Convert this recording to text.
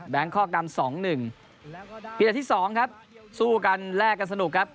คอกนำสองหนึ่งปีแต่ที่สองครับสู้กันแลกกันสนุกครับ